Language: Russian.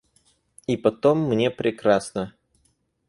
И потом мне прекрасно.